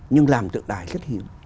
nhưng làm tượng đài rất hiếu